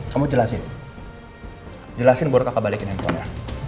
kamu jelasin jelasin baru kakak balikin handphonenya